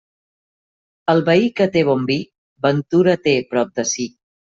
El veí que té bon vi, ventura té prop de si.